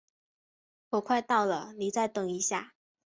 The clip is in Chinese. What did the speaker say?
我快到了，你再等一下。